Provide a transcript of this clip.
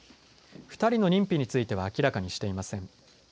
２人の認否については明らかにしていません。